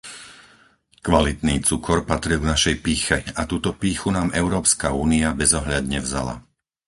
Kvalitný cukor patril k našej pýche a túto pýchu nám Európska únia bezohľadne vzala.